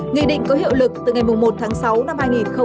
nghị định có hiệu lực từ ngày một tháng sáu năm hai nghìn hai mươi